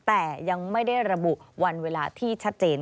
แต่ยังไม่ได้ระบุวันเวลาที่ชัดเจน